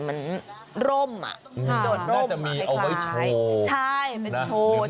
เหมือนจะมีเอาไว้โชว์ใช่เป็นโชว์โชว์